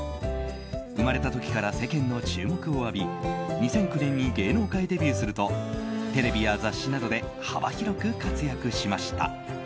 生まれた時から世間の注目を浴び２００９年に芸能界デビューするとテレビや雑誌などで幅広く活躍しました。